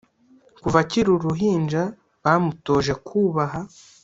kuva akiri uruhinja bamutoje kubaha